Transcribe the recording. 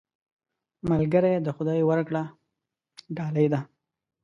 ملګری د خدای ورکړه ډالۍ ده